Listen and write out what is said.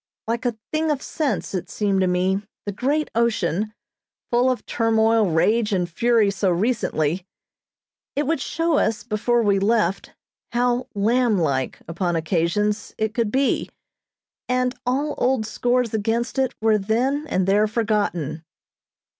Like a thing of sense, it seemed to me, the great ocean, full of turmoil, rage, and fury so recently, it would show us, before we left, how lamblike, upon occasions, it could be; and all old scores against it were then and there forgotten.